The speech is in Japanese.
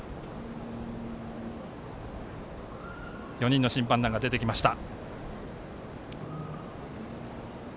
４人の審判団が出てきました。